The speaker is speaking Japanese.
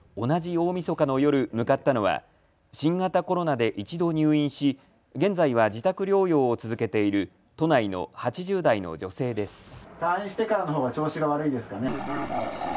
同じ大みそかの夜、向かったのは新型コロナで一度入院し、現在は自宅療養を続けている都内の８０代の女性です。